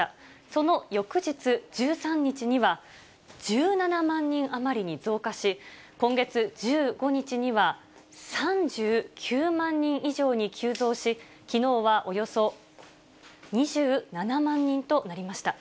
その翌日１３日には、１７万人余りに増加し、今月１５日には、３９万人以上に急増し、きのうはおよそ２７万人となりました。